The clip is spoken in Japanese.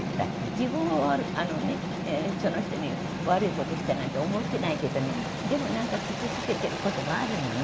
自分はその人に悪いことしてるなんて思ってないけど、でもなんか傷つけてることもあるのね。